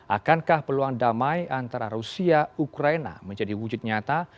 akankah peluang damai antara rusia ukraina menjadi wujud nyata